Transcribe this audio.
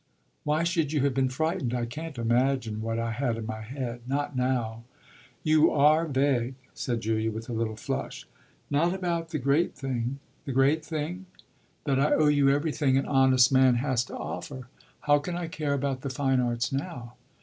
"Why should you have been frightened? I can't imagine what I had in my head: not now." "You are vague," said Julia with a little flush. "Not about the great thing." "The great thing?" "That I owe you everything an honest man has to offer. How can I care about the fine arts now?"